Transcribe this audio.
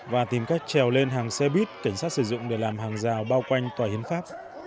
và tìm cách trèo lên hàng xe buýt cảnh sát sử dụng để làm hàng rào bao quanh tòa hiến pháp